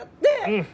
うん。